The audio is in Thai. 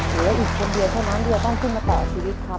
เหลืออีกคนเดียวเท่านั้นที่จะต้องขึ้นมาต่อชีวิตครับ